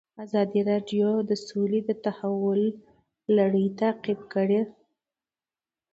ازادي راډیو د سوله د تحول لړۍ تعقیب کړې.